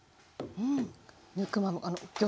うん。